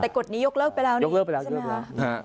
แต่กฎนี้ยกเลิกไปแล้วนี่ใช่ไหมครับอยกเลิกไปแล้ว